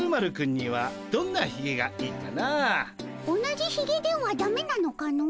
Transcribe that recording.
同じひげではダメなのかの？